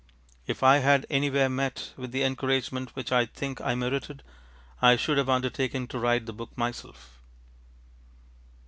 If I had anywhere met with the encouragement which I think I merited, I should have undertaken to write the book myself.